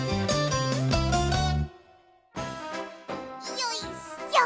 よいしょ！